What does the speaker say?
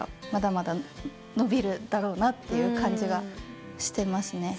まだまだ伸びるだろうなって感じがしてますね。